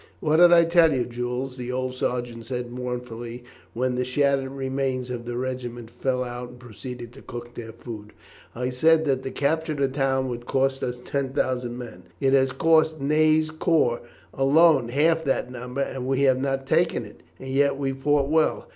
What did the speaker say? "What did I tell you, Jules?" the old sergeant said mournfully, when the shattered remains of the regiment fell out and proceeded to cook their food. "I said that the capture of that town would cost us 10,000 men. It has cost Ney's corps alone half that number, and we have not taken it; and yet we fought well.